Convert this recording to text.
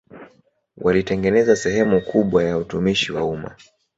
Walitengeneza sehemu kubwa ya utumishi wa umma